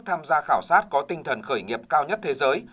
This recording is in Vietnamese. tham gia khảo sát có tinh thần khởi nghiệp cao nhất thế giới